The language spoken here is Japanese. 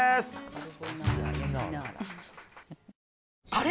あれ？